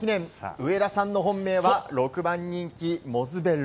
上田さんの本命は６番人気、モズベッロ。